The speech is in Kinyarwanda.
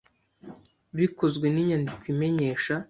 bikozwe n inyandiko imenyesha